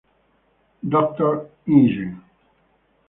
Doctor Ing.